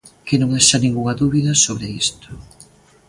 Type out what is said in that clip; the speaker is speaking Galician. Que non haxa ningunha dúbida sobre isto.